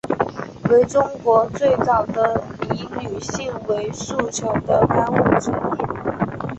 为中国最早的以女性为诉求的刊物之一。